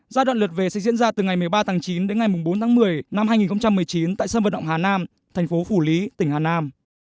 giai đoạn lượt về sẽ diễn ra từ ngày một mươi ba tháng chín đến ngày bốn tháng một mươi năm hai nghìn một mươi chín tại sân vận động hà nam thành phố phủ lý tỉnh hà nam